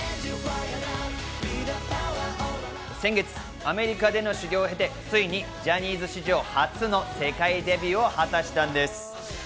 先月、アメリカでの修業を経て、ついにジャニーズ史上初の世界デビューを果たしたんです。